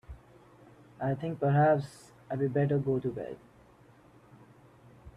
I think perhaps I'd better go to bed.